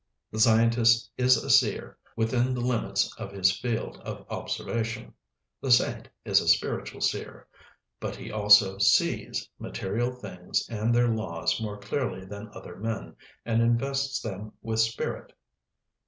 The scientist is a seer within the limits of his field of observation; the saint is a spiritual seer, but he also sees material things and their laws more clearly than other men, and invests them with spirit.